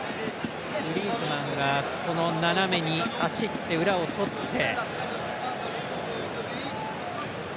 グリーズマンが斜めに走って裏をとって。